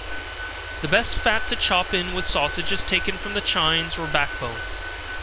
The best fat to chop in with sausage is taken from the chines or back bones.